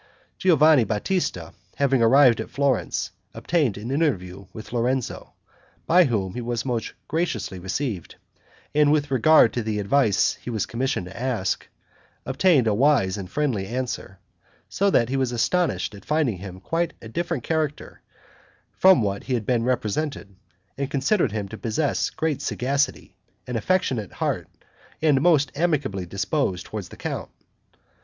Giovanni Batista, having arrived at Florence, obtained an interview with Lorenzo, by whom he was most graciously received; and with regard to the advice he was commissioned to ask, obtained a wise and friendly answer; so that he was astonished at finding him quite a different character from what he had been represented, and considered him to possess great sagacity, an affectionate heart, and most amicably disposed toward the count.